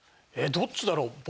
えっどっちだろう？